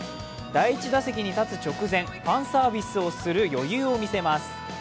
第１打席に立つ直前、ファンサービスをする余裕を見せます。